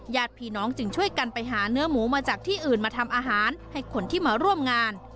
ญาติพี่น้องจึงช่วยกันไปหาเนื้อหมูมาจากที่อื่นมาทำอาหารให้คนที่มาร่วมงาน